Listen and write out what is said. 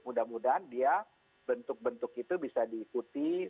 mudah mudahan dia bentuk bentuk itu bisa diikuti